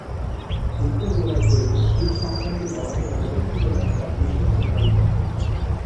উত্তর গোলার্ধে একে "শীত সংক্রান্তি" বলা হলেও দক্ষিণ গোলার্ধে তা "গ্রীষ্ম সংক্রান্তি"।